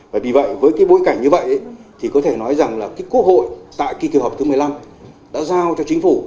vì vậy với bối cảnh như vậy có thể nói rằng quốc hội tại kỳ kỳ hợp thứ một mươi năm đã giao cho chính phủ